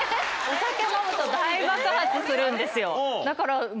だから。